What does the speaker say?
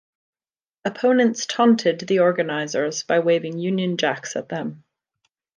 Opponents taunted the organisers by waving Union Jacks at them.